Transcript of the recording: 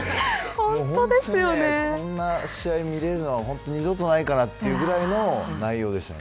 本当にこんな試合を見られるのは二度とないかなというぐらいの内容でしたね。